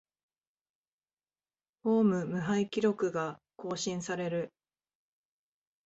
ホーム無敗記録が更新される